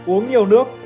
uống nhiều nước